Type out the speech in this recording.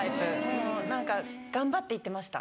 もう何か頑張って行ってました。